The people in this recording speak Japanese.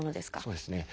そうですね。